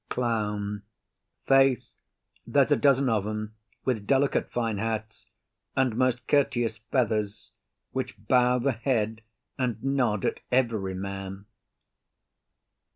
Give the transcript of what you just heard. CLOWN. Faith, there's a dozen of 'em, with delicate fine hats, and most courteous feathers, which bow the head and nod at every man.